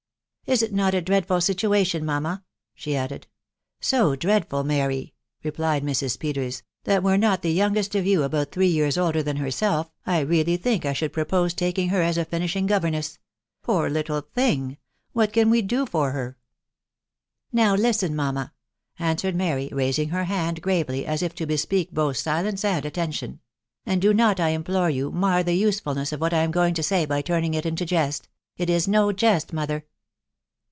" Is it not a dreadful situation, mamma ?" she added. " So dreadful, Mary," replied Mrs. Peters, " that were not the youngest of you about three years older than herself, I really think I stiould propose taking her as a finishing governess. Poor little thing !.... what • can we do for her?" " Now listen, mamma," answered Mary, raising her hand gravely, as if to bespeak both silence and attention, " and do not, I implore you, mar the usefulness of what I am going to say by turning it into jest, .... it is no jest, mother.